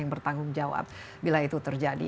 yang bertanggung jawab bila itu terjadi